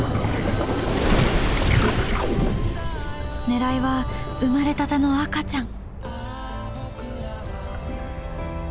狙いは生まれたての赤ちゃん。